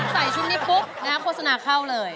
ใส่ชุดนี้ปุ๊บโฆษณาเข้าเลย